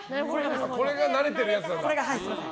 これが慣れてるやつだからと。